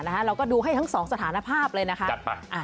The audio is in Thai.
เราก็ดูให้ทั้งสองสถานภาพเลยนะคะ